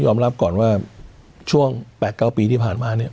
ยอมรับก่อนว่าช่วงแปดเก้าปีที่ผ่านมาเนี้ย